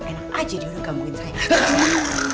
enak aja dia udah gangguin saya